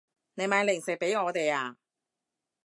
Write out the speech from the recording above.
你買零食畀我哋啊